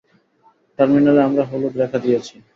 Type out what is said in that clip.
টার্মিনালে আমরা হলুদ রেখা দিয়েছি।